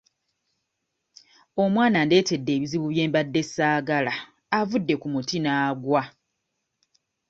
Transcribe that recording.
Omwana andeetedde ebizibu bye mbadde ssaagala avudde ku muti n'aggwa.